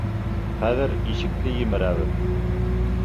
Хәҙер ишекте емерәбеҙ.